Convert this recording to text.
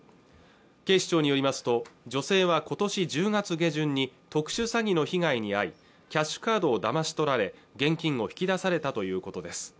警視庁によりますと女性はことし１０月下旬に特殊詐欺の被害に遭いキャッシュカードをだまし取られ現金を引き出されたということです